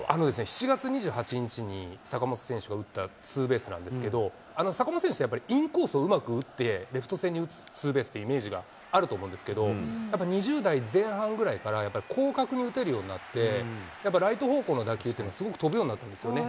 ７月２８日に坂本選手が打ったツーベースなんですけれども、坂本選手ってやっぱり、インコースをうまく打って、レフト線に打つツーベースってイメージがあると思うんですけど、やっぱ２０代前半くらいから、やっぱ広角に打てるようになって、ライト方向の打球っていうのは、すごく飛ぶようになったんですよね。